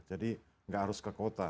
jadi nggak harus ke kota